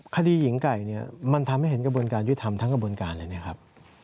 คดีหญิงไก่เนี่ยมันทำให้เห็นกระบวนการยุทธรรมทั้งกระบวนการเลยนะครับ